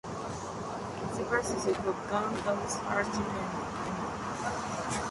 Así, para su segundo trabajo, What does anything mean?